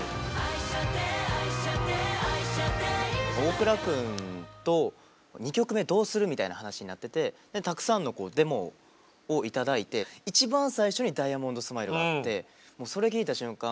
大倉くんと「２曲目どうする？」みたいな話になっててたくさんのデモをいただいて一番最初に「ダイヤモンドスマイル」があってもうそれ聴いた瞬間